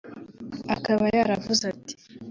Akaba yaravuze ati